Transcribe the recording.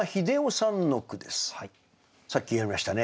さっきやりましたね。